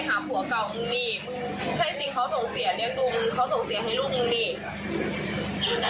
หนูเคยที่หนักสุดคือหนูเคยหัวแตกแล้วเย็บหกสิบ